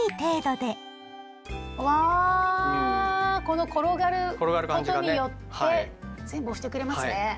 うわこの転がることによって全部押してくれますね。